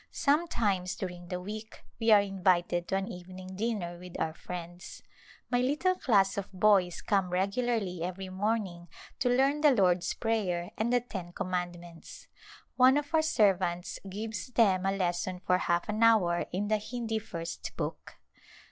Sometimes during the week we are invited to an even ing dinner with our friends. My little class of boys come regularly every morning to learn the Lord's Prayer and the Ten Commandments. One of our servants gives them a lesson for half an hour in the Hindi First Book.